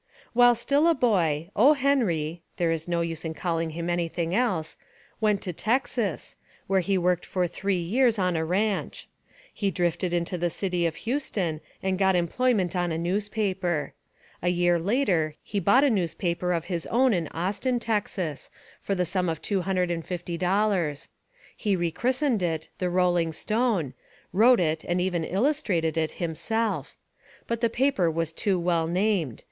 While still a boy, O. Henry (there is no use in calling him anything else) went to Texas, where he worked for three years on a ranch. He drifted into the city of Houston and got employment on a newspaper. A year later he bought a newspaper of his own in Austin, Texas, for the sum of two hundred and fifty dollars. He rechristened it The Rolling Stone, wrote it, and even illustrated it, himself. But the paper was too well named.